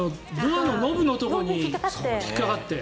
ノブのところに引っかかって。